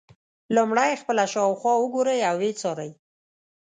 لومړی خپله شاوخوا وګورئ او ویې څارئ.